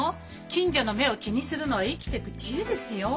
近所の目を気にするのは生きてく知恵ですよ。